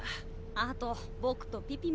あと僕とピピもね。